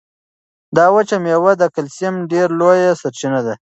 دا وچه مېوه د کلسیم ډېره لویه سرچینه ده.